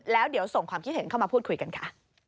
แล้วเดี๋ยวส่งความคิดเห็นเข้ามาพูดคุยกันค่ะ